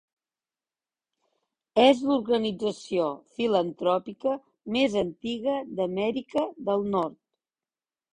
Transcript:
És l'organització filantròpica més antiga d'Amèrica del Nord.